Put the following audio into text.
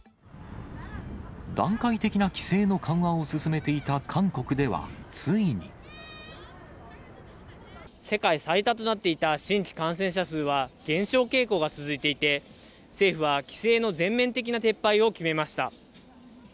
段階的な規制の緩和を進めていた韓国では、ついに。世界最多となっていた新規感染者数は減少傾向が続いていて、政府は規制の全面的な撤廃を決めました。